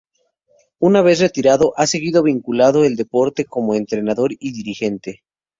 Una vez retirado ha seguido vinculado al deporte como entrenador y dirigente.